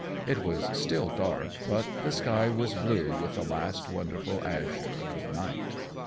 It was still dark, but the sky was blue with the last wonderful azure of night.